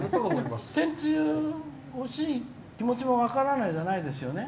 天つゆ欲しい気持ちも分からないじゃないですよね。